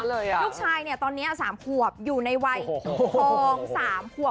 ลูกชายเนี่ยตอนนี้๓ขวบอยู่ในวัยทอง๓ขวบ